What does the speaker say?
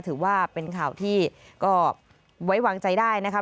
ถือว่าเป็นข่าวที่ก็ไว้วางใจได้นะครับ